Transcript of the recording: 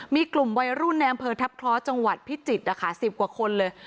มีกลุ่มวัยรุ่นในอำเภอทัพคล้อจังหวัดพิจิตรนะคะ๑๐กว่าคนเลย